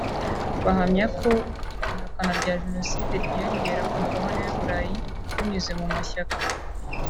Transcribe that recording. Bahamya ko ihakana rya jenoside ryiyongera ku mugabane w’u Burayi binyuze mu mashyaka